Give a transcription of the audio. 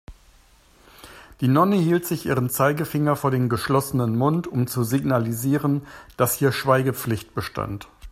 Die Nonne hielt sich ihren Zeigefinger vor den geschlossenen Mund, um zu signalisieren, dass hier Schweigepflicht bestand.